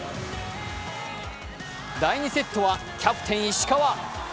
第２セットはキャプテン・石川。